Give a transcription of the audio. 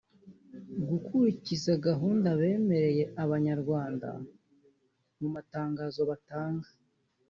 gukurikiza gahunda bemereye abanyarwanda mu matangazo batanga